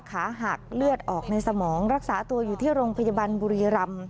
ขาหักเลือดออกในสมองรักษาตัวอยู่ที่โรงพยาบาลบุรีรำ